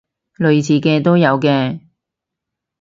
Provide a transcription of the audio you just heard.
類似嘅都有嘅